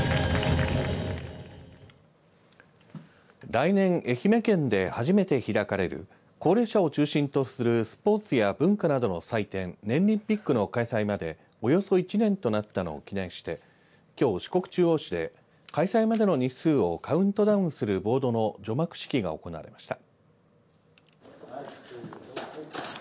来年、愛媛県で初めて開かれる高齢者を中心とするスポーツや文化などの祭典ねんりんピックの開催までおよそ１年となったのを記念してきょう四国中央市で開催までの日数をカウントダウンするボードの除幕式が行われました。